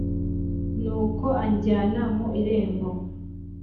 nuko anjyana mu irembo